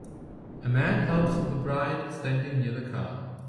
A man helps the bride standing near the car.